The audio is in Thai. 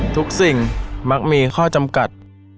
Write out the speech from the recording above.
ทุกสิ่งมักมีข้อจำกัด